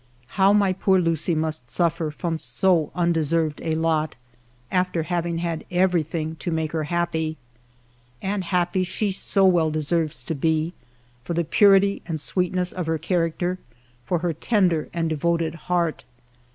How my poor Lucie must suffer from so undeserved a lot, after having had everything to make her happy ! And happy she so well deserves to be, for the purity and sweetness of her charac ter, for her tender and devoted heart.